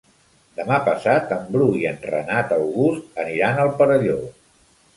Demà passat en Bru i en Renat August aniran al Perelló.